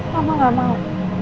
mama nggak mau